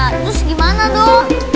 terus gimana tuh